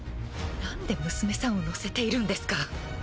なんで娘さんを乗せているんですか？